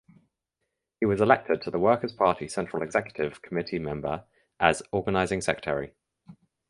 He was elected to the Workers’ Party Central Executive Committee member as Organising Secretary.